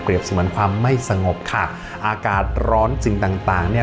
เสมือนความไม่สงบค่ะอากาศร้อนสิ่งต่างต่างเนี่ย